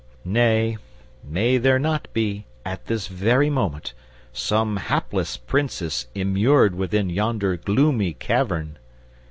Nay, may there not be, at this very moment, some hapless Princess immured within yonder gloomy cavern?"